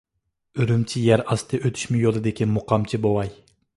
ئۈرۈمچى يەر ئاستى ئۆتۈشمە يولىدىكى مۇقامچى بوۋاي.